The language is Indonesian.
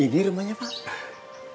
ini rumahnya pak